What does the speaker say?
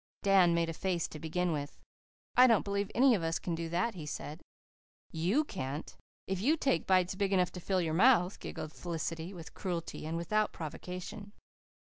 Dan made a face to begin with. "I don't believe any of us can do that," he said. "YOU can't, if you take bites big enough to fill your mouth," giggled Felicity, with cruelty and without provocation.